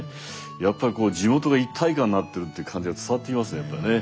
やっぱり地元が一体感になってるって感じが伝わってきますねやっぱりね。